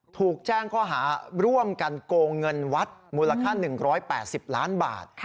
ถูกแจ้งข้อหาร่วมกันโกงเงินวัดมูลค่า๑๘๐ล้านบาท